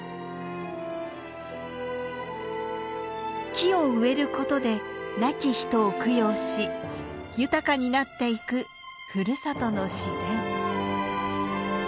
木を植えることで亡き人を供養し豊かになっていくふるさとの自然。